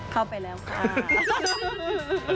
เข้าไปแล้วค่ะ